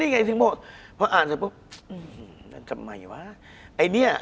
คุณผู้ชมบางท่าอาจจะไม่เข้าใจที่พิเตียร์สาร